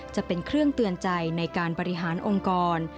จะเป็นเครื่องเตือนใจในการบริหารองค์กร